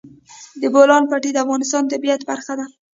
د بولان پټي د افغانستان د طبیعت برخه ده.